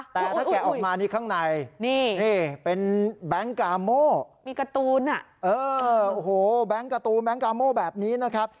แต่ถ้าแกะออกมานี่ข้างในเป็นแบงค์กาโมแบงค์กาโมแบบนี้นะครับ